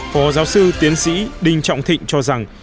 phó giáo sư tiến sĩ đinh trọng thịnh cho rằng